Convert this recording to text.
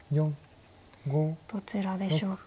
どちらでしょうか。